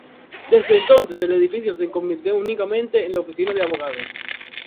Desde entonces el edificio se convirtió únicamente en la oficina de abogados.